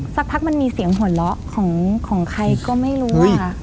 สักพักมันมีเสียงหัวเราะของใครก็ไม่รู้ค่ะ